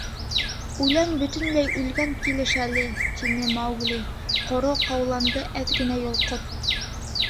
— Үлән бөтөнләй үлгән килеш әле, — тине Маугли, ҡоро ҡауланды әҙ генә йолҡоп.